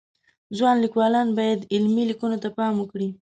ځوان لیکوالان باید علمی لیکنو ته پام وکړي